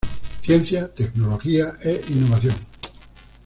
Ciencia, tecnología e innovación.